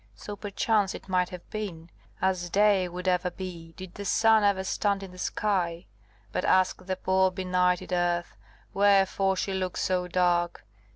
So, perchance, it might have been, as day would ever be did the Sun ever stand in the sky. But ask the poor benighted Earth, wherefore she looks so dark!